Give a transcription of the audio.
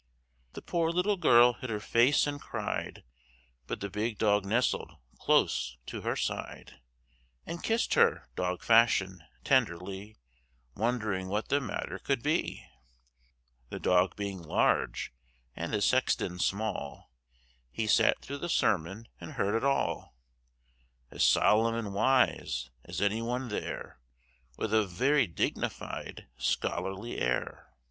The poor little girl hid her face and cried! But the big dog nestled close to her side, And kissed her, dog fashion, tenderly, Wondering what the matter could be! The dog being large (and the sexton small), He sat through the sermon, and heard it all, As solemn and wise as any one there, With a very dignified, scholarly air!